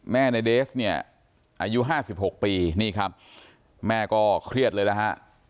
แม่นายเดสเนี่ยอายุห้าสิบหกปีนี่ครับแม่ก็เครียดเลยนะครับ